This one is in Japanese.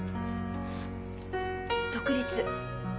独立。